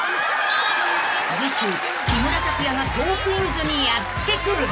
［次週木村拓哉が『トークィーンズ』にやって来る］